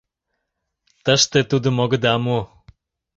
— Тыште тудым огыда му.